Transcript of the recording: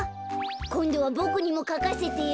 こんどはボクにもかかせてよ。